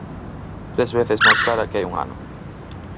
Tres veces máis cara que hai un ano.